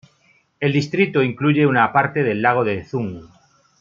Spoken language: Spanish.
El distrito incluye una parte del lago de Thun.